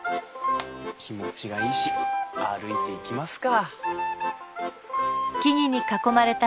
気持ちがいいし歩いていきますか。